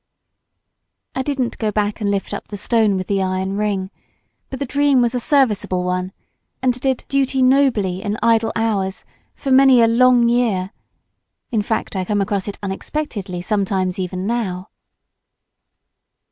I didn't go back and lift up the stone with the iron ring, but the dream was a serviceable one, and did duty nobly in idle hours for many a long year; in fact, I come across it unexpectedly sometimes even now.